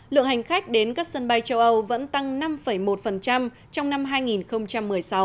lượng hành khách đến các sân bay châu âu vẫn tăng năm một trong năm hai nghìn một mươi sáu